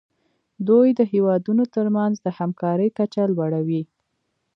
دوی د هیوادونو ترمنځ د همکارۍ کچه لوړوي